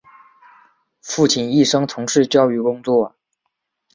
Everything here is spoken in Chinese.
父亲一生从事教育工作。